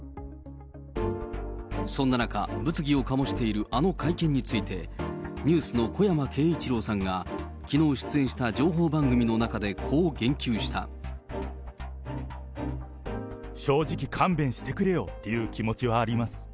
そんな中、物議を醸しているあの会見について、ＮＥＷＳの小山慶一郎さんが、きのう出演した情報番組の中でこう正直、勘弁してくれよっていう気持ちはあります。